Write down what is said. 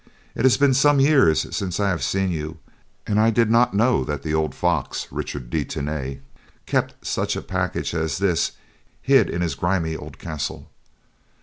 It has been some years since I have seen you and I did not know the old fox Richard de Tany kept such a package as this hid in his grimy old castle."